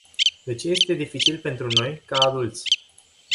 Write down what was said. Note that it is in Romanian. De ce este dificil pentru noi, ca adulți?